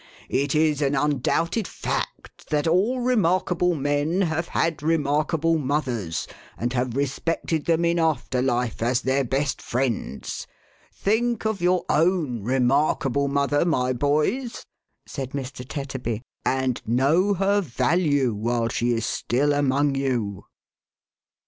"'It is an undoubted fact that all remarkable men have had remarkable mothers, and have respected them in after life as their best friends.1 Think of your own remarkable mother, my boys," said Mr. Tetterby, " and know her value while she is still among you